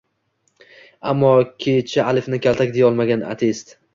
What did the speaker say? Ammo kecha alifni kaltak deyolmagan ateist